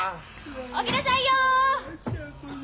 起きなさいよ！